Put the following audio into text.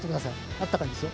あったかいですよ。